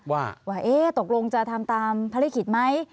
ว่าตกลงจะทำตามพระลิกฤตรมั้ย